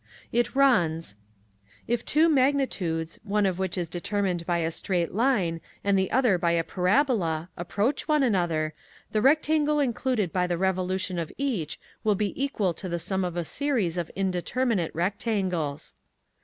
It runs: If two magnitudes, one of which is determined by a straight line and the other by a parabola approach one another, the rectangle included by the revolution of each will be equal to the sum of a series of indeterminate rectangles.